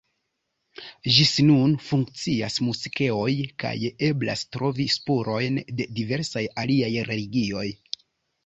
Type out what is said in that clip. Ĝis nun funkcias moskeoj kaj eblas trovi spurojn de diversaj aliaj religioj.